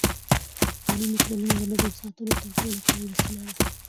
قانون د ټولنې د نظم ساتلو تر ټولو قوي وسیله ده